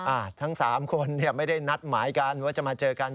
อ่ะทั้ง๓คนไม่ได้นัดหมายกันว่าจะมาเจอกัน